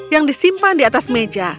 yang disimpan di atas meja